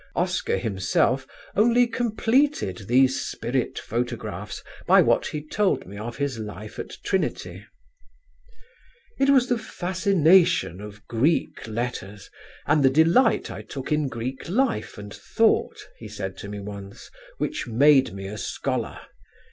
Oscar himself only completed these spirit photographs by what he told me of his life at Trinity. "It was the fascination of Greek letters, and the delight I took in Greek life and thought," he said to me once, "which made me a scholar.